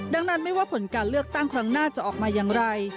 ดังนั้นไม่ว่าผลการเลือกตั้งครั้งหน้าจะออกมาอย่างไร